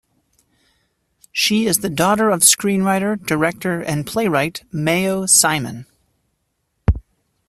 She is the daughter of screenwriter, director and playwright Mayo Simon.